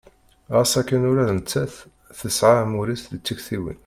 Ɣas akken ula d nettat tesɛa amur-is deg tiktiwin.